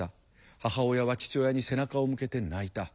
母親は父親に背中を向けて泣いた。